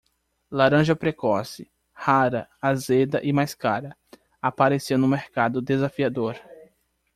Laranja precoce, rara, azeda e mais cara, apareceu no mercado desafiador.